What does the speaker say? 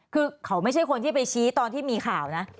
คือเขาไม่ใช่คนที่ไปชี้ตอนที่มีข่าวนะ